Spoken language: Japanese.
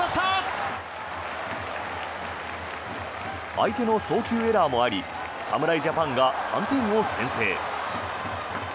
相手の送球エラーもあり侍ジャパンが３点を先制。